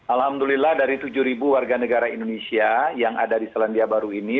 alhamdulillah dari tujuh warga negara indonesia yang ada di selandia baru ini